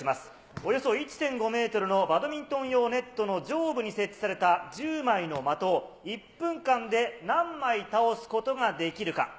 およそ１．５メートルのバドミントン用ネットの上部に設置された、１０枚の的を１分間で何枚倒すことができるか。